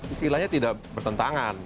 istilahnya tidak bertentangan